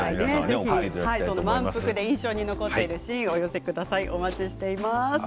「まんぷく」で印象に残っているシーンをお寄せください。